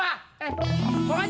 eh bapak ji